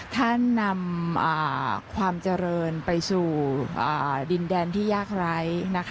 ท่านนำความเจริญไปสู่ดินแดนที่ยากไร้